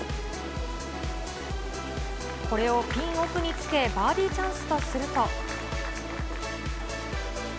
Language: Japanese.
これをピン奥につけ、バーディーチャンスとすると。